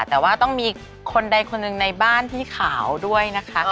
แต่ว่าต้องมีคนใดคนหนึ่งในบ้านที่ขาวด้วยนะคะ